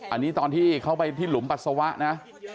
อันนี้ตอนที่เขาไปที่หลุมปัสสาวะนะ